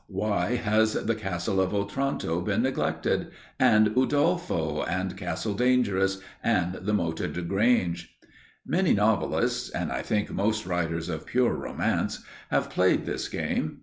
Why has the Castle of Otranto been neglected and Udolpho, and Castle Dangerous, and the Moated Grange? Many novelists, and, I think, most writers of pure romance, have played this game.